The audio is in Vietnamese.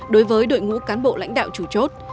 đối với đội ngũ cán bộ lãnh đạo chủ chốt